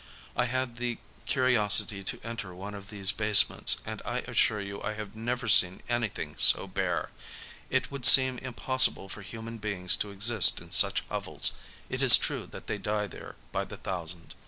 I had the curiosity to enter one of these base ments, and I assure you I have never seen anything so bare. It would seem impossible for human beings to exist 56 LONDON in such hovels: it is true that they die there by the thousand.